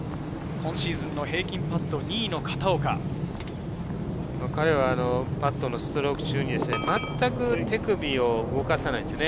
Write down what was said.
今シーズンの平均パット、パットのストローク中にまったく手首を動かさないんですよね。